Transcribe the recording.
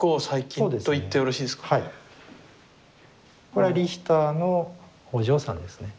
これはリヒターのお嬢さんですね。